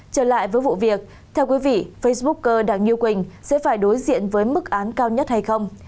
trở lại với vụ việc theo quý vị facebook cơ đảng như quỳnh sẽ phải đối diện với mức án cao nhất hay không